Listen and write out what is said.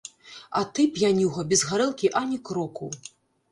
Ах ты, п'янюга, без гарэлкі ані кроку.